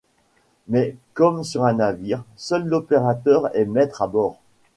Mais comme sur un navire, seul l'opérateur est maître à bord.